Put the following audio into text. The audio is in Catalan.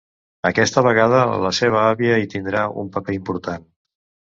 Aquesta vegada la seva àvia hi tindrà un paper important.